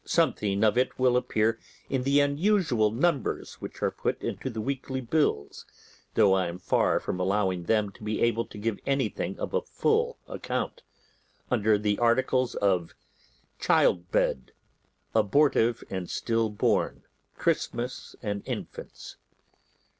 Something of it will appear in the unusual numbers which are put into the weekly bills (though I am far from allowing them to be able to give anything of a full account) under the articles of— Child bed. Abortive and Still born. Chrisoms and Infants.